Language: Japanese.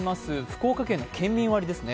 福岡県の県民割です。